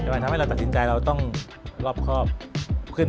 มันทำให้เราตัดสินใจเราต้องรอบครอบขึ้น